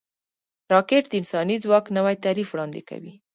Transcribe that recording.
راکټ د انساني ځواک نوی تعریف وړاندې کوي